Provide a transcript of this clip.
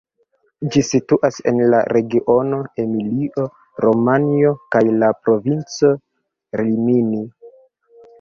Ĝi situas en la regiono Emilio-Romanjo kaj la provinco Rimini.